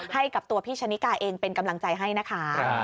ให้กับตัวพี่ชะนิกาเองเป็นกำลังใจให้นะคะ